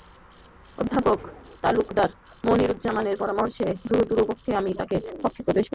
অধ্যাপক তালুকদার মনিরুজ্জামানের পরামর্শে দুরু দুরু বক্ষে আমি তাঁর কক্ষে প্রবেশ করেছিলাম।